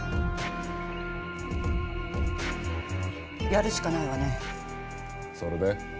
やるしかないわねそれで？